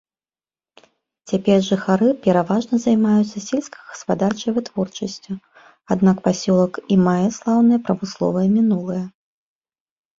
Цяпер жыхары пераважна займаюцца сельскагаспадарчай вытворчасцю, аднак пасёлак і мае слаўнае прамысловае мінулае.